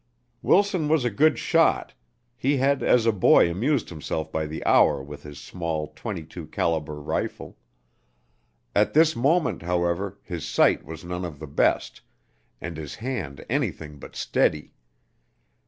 Wilson was a good shot; he had as a boy amused himself by the hour with his small, twenty two caliber rifle. At this moment, however, his sight was none of the best and his hand anything but steady.